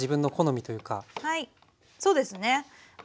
はいそうですね。